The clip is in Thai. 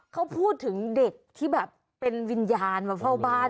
เขาพูดถึงเด็กที่แบบเป็นวิญญาณมาเฝ้าบ้าน